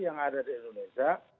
yang ada di indonesia